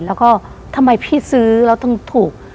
แล้วก็ทำไมพี่ซื้อแล้วต้องถูก